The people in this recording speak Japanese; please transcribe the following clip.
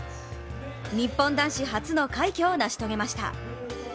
日本男子初の快挙を成し遂げました！